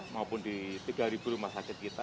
maupun di tiga rumah sakit kita